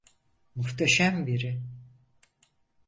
Muhteşem biri.